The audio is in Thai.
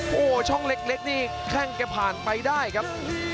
โอ้โหช่องเล็กนี่แข้งแกผ่านไปได้ครับ